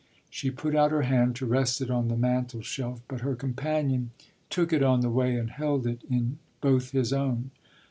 She put out her hand to rest it on the mantel shelf, but her companion took it on the way and held it in both his own.